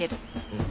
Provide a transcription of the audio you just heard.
うん。